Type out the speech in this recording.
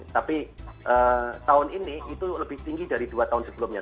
tapi tahun ini itu lebih tinggi dari dua tahun sebelumnya